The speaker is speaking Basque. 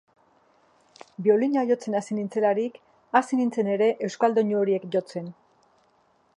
Biolina jotzen hasi nintzelarik, hasi nintzen ere euskal doinu horiek jotzen.